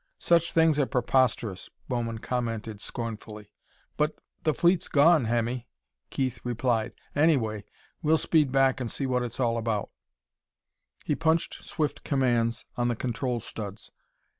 "Such things are preposterous," Bowman commented scornfully. "But the fleet's gone, Hemmy," Keith replied. "Anyway, we'll speed back, and see what it's all about." He punched swift commands on the control studs.